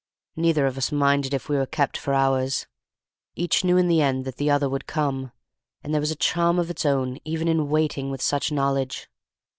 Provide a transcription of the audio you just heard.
Neither of us minded if we were kept for hours; each knew in the end that the other would come; and there was a charm of its own even in waiting with such knowledge.